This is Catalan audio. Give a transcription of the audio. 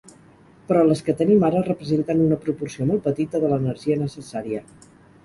Però les que tenim ara representen una proporció molt petita de l’energia necessària.